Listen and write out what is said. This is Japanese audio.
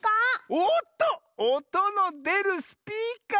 おっとおとのでるスピーカー！